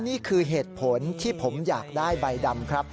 นี่คือเหตุผลที่ผมอยากได้ใบดำครับ